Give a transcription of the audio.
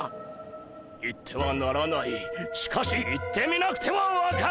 行ってはならないしかし行ってみなくては分からない。